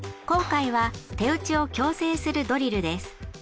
今回は手打ちを矯正するドリルです。